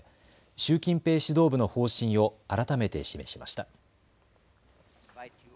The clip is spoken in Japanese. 習近平指導部の方針を改めて示しました。